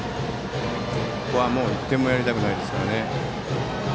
ここは１点もやりたくないですね。